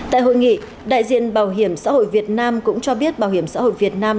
tại hội nghị đại diện bảo hiểm xã hội việt nam cũng cho biết bảo hiểm xã hội việt nam